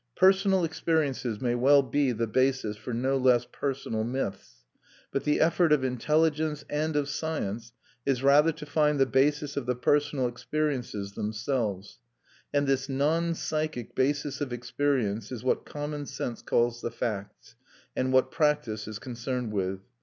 Personal experiences may well be the basis for no less personal myths; but the effort of intelligence and of science is rather to find the basis of the personal experiences themselves; and this non psychic basis of experience is what common sense calls the facts, and what practice is concerned with.